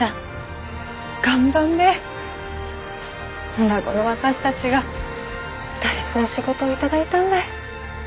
おなごの私たちが大事な仕事を頂いたんだい。